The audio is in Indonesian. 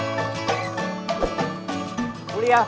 kamu gak akan lama ada di sini